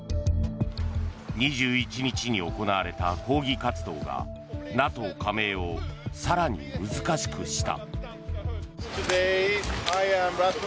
２１日に行われた抗議活動がＮＡＴＯ加盟を更に難しくした。